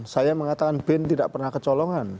saya mengatakan bin tidak pernah kecolongan